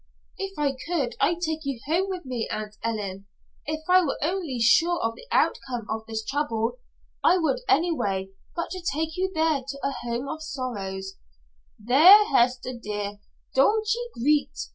"If I could, I'd take you home with me, Aunt Ellen; if I were only sure of the outcome of this trouble, I would anyway but to take you there to a home of sorrow " "There, Hester, dear. Don't ye greet.